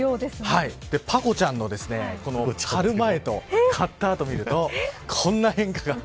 パコちゃんの刈る前と刈った後を見るとこんな変化が。